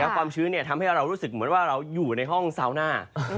ความชื้นทำให้เรารู้สึกเหมือนว่าเราอยู่ในห้องซาวน่า